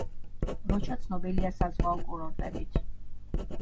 როჩა ცნობილია საზღვაო კურორტებით.